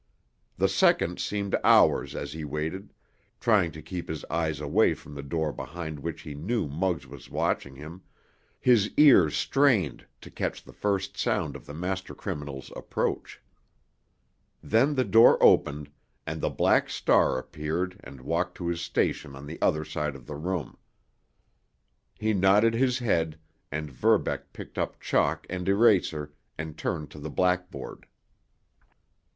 The seconds seemed hours as he waited, trying to keep his eyes away from the door behind which he knew Muggs was watching him, his ears strained to catch the first sound of the master criminal's approach. Then the other door opened, and the Black Star appeared and walked to his station on the other side of the room. He nodded his head, and Verbeck picked up chalk and eraser and turned to the blackboard.